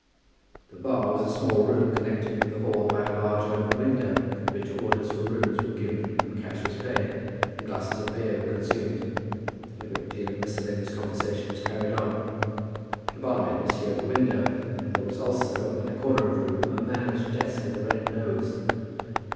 The bar was a small room connected with the hall by a large open window, at which orders for rooms were given and cash was paid, and glasses of beer were consumed, and a good deal of miscellaneous conversation was carried on. The barmaid was here at the window, and there was also, in a corner of the room, a man at a desk with a red nose.